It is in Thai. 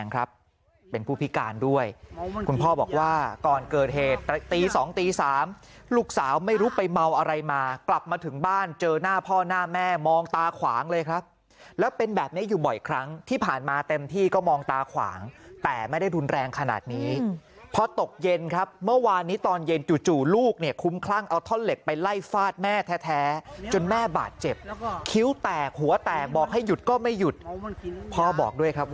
ครับเป็นผู้พิการด้วยคุณพ่อบอกว่าก่อนเกิดเหตุตี๒ตี๓ลูกสาวไม่รู้ไปเมาอะไรมากลับมาถึงบ้านเจอหน้าพ่อหน้าแม่มองตาขวางเลยครับแล้วเป็นแบบนี้อยู่บ่อยครั้งที่ผ่านมาเต็มที่ก็มองตาขวางแต่ไม่ได้รุนแรงขนาดนี้พอตกเย็นครับเมื่อวานนี้ตอนเย็นจู่ลูกเนี่ยคุ้มคลั่งเอาท่อนเหล็กไปไล่ฟาดแม่แท้จนแม่บาดเจ็บคิ้วแตกหัวแตกบอกให้หยุดก็ไม่หยุดพ่อบอกด้วยครับ